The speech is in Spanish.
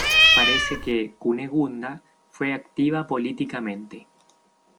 Parece que Cunegunda fue activa políticamente.